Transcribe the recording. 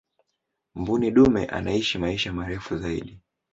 mbuni dume anaishi maisha marefu zaidi